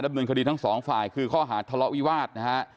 เนินคดีทั้งสองฝ่ายคือข้อหาทะเลาะวิวาสนะฮะ